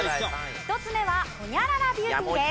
１つ目はホニャララビューティーです。